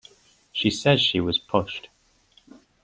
She says she was pushed.